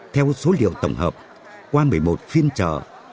theo số liệu tổng hợp qua một mươi một phiên trở